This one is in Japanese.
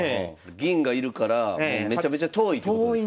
銀がいるからめちゃめちゃ遠いってことですね。